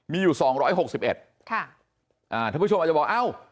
มีอยู่สองร้อยหกสิบเอ็ดค่ะอ่าท่านผู้ชมอาจจะบอกเอ้า